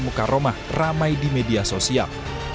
muka rumah ramai di media sosial